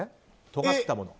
とがったもの。